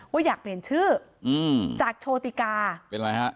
ว่าอยากเปลี่ยนชื่ออืมจากโชติกาเป็นอะไรฮะ